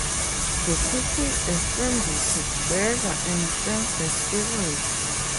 The people assemble together and thank the spirit.